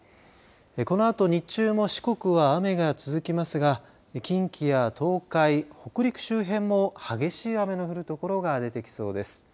このあと日中も四国は雨が続きますが近畿や東海、北陸周辺も激しい雨の降るところが出てきそうです。